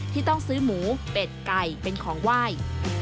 ที่ต้องซื้อหมูเป็ดไก่เป็นของไหว้